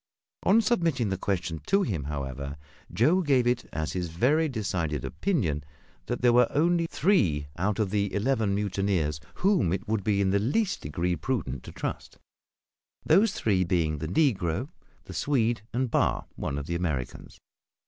On submitting the question to him, however, Joe gave it as his very decided opinion that there were only three out of the eleven mutineers whom it would be in the least degree prudent to trust; those three being the negro, the Swede, and Barr, one of the Americans.